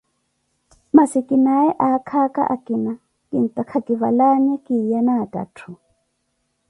Massi khinaye akhaaka akina, kintaaka kivalanhe kiyane athaathu